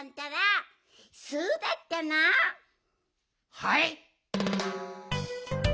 はい？